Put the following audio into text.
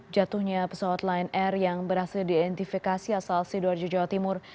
jatuhnya pesawat lion air yang berhasil diidentifikasi asal sidoarjo jawa timur